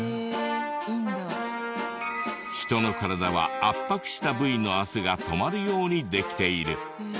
人の体は圧迫した部位の汗が止まるようにできている。